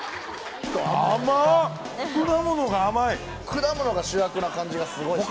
果物が主役な感じがスゴいします